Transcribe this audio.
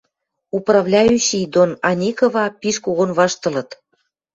Управляющий дон Ани кыва пиш когон ваштылыт.